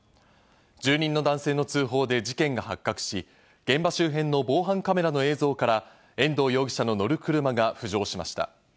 住人の男性の通報で事件が発覚し、現場周辺の防犯カメラの映像から遠藤容疑者の乗る車が浮上しました。